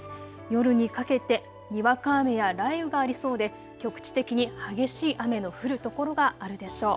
夜にかけてにわか雨や雷雨がありそうで局地的に激しい雨の降るところがあるでしょう。